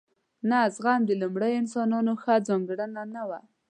نه زغم د لومړنیو انسانانو ښه ځانګړنه نه وه.